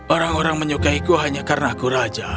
orang orang menyukaiku hanya karena aku raja